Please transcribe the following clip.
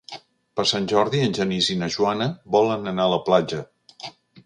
Per Sant Jordi en Genís i na Joana volen anar a la platja.